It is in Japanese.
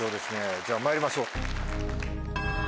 じゃあまいりましょう。